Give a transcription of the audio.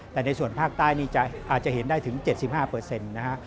แต่ในส่วนภาคใต้นี่อาจจะเห็นได้ถึง๗๕นะฮะ